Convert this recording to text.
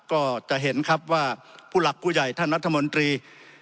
ก็จะเห็นครับว่าผู้หลักผู้ใหญ่ท่านรัฐมนตรี